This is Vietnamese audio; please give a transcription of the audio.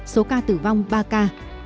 số ca tử vong ba ca